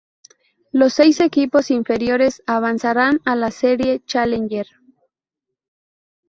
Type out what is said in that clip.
Los seis equipos inferiores avanzarán a la Serie Challenger.